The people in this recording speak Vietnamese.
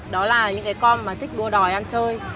đó là những cái con mà thích đua đòi ăn chơi